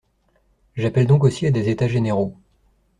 J’appelle donc aussi à des états généraux.